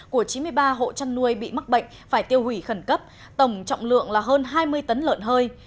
của chín mươi ba hộ chăn nuôi bị mắc bệnh phải tiêu hủy khẩn cấp tổng trọng lượng là hơn hai mươi tấn lợn hơi